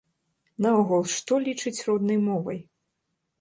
Наогул, што лічыць роднай мовай?